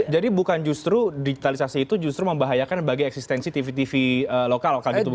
jadi bukan justru digitalisasi itu justru membahayakan bagi eksistensi tv tv lokal gitu